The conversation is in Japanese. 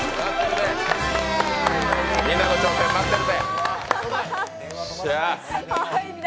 みんなの挑戦待ってるぜ。